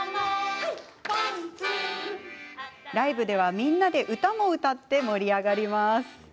ライブでは、みんなで歌も歌って盛り上がります。